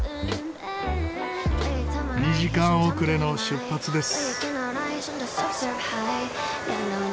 ２時間遅れの出発です。